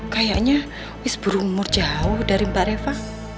kayaknya wis berumur jauh dari mbak reva